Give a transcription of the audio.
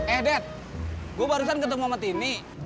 eh dead gue barusan ketemu sama tini